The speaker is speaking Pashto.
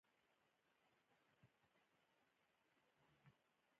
سهار کی قران کریم لوستل به مو ټوله ورځ روښانه ولري